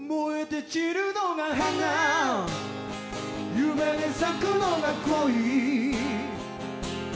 夢で咲くのが恋